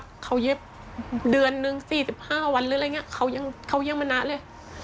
เขาเย็บเดือนนึง๔๕วันหรืออะไรอย่างนี้เขายังมานะเลย